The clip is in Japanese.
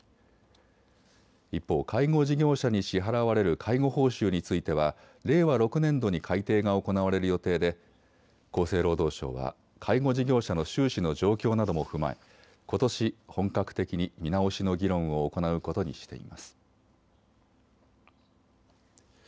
一方、介護事業者に支払われる介護報酬については令和６年度に改定が行われる予定で厚生労働省は介護事業者の収支の状況なども踏まえ、ことし本格的に見直しの議論を行うことにしています。